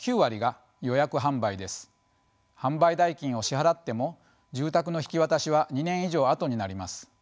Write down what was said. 販売代金を支払っても住宅の引き渡しは２年以上あとになります。